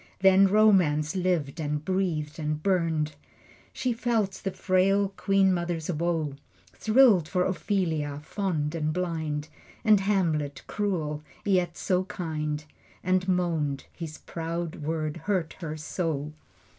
Then Romance lived and breathed and burned. She felt the frail queen mother's woe, Thrilled for Ophelia, fond and blind, And Hamlet, cruel, yet so kind, And moaned, his proud words hurt her so.